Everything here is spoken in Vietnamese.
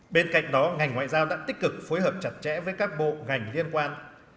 bên cạnh đó ngành ngoại giao đã tích cực phối hợp chặt chẽ với các bộ ngành liên quan